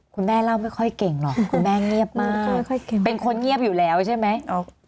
คุณแม่เล่าไม่ค่อยเก่งหรอกคุณแม่เงียบมากเป็นคนเงียบอยู่แล้วใช่ไหม